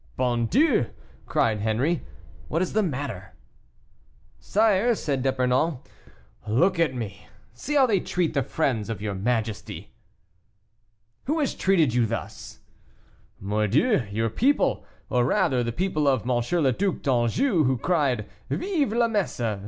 "Bon Dieu!" cried Henri, "what is the matter?" "Sire," said D'Epernon, "look at me; see how they treat the friends of your majesty." "Who has treated you thus?" "Mordieu, your people; or rather the people of; M. le Duc d'Anjou, who cried, 'Vive la Messe!